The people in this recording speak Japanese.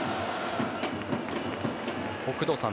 工藤さん